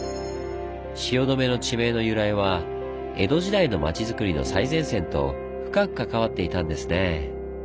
汐留の地名の由来は江戸時代の町づくりの最前線と深く関わっていたんですねぇ。